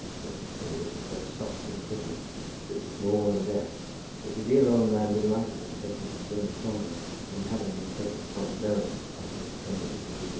Posy's fingers were so soft and pretty, so small and deft, that the dear old man delighted in taking the strings from them, and in having them taken from his own by those tender little digits.